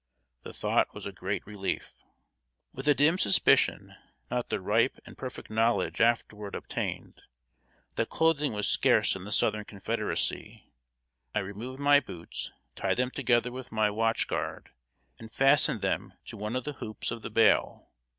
The thought was a great relief. With a dim suspicion not the ripe and perfect knowledge afterward obtained that clothing was scarce in the Southern Confederacy, I removed my boots, tied them together with my watch guard, and fastened them to one of the hoops of the bale.